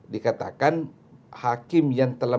dikatakan hakim yang telah